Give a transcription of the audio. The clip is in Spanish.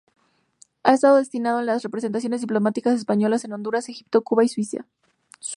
Ha estado destinado en las representaciones diplomáticas españolas en Honduras, Egipto, Cuba y Suiza.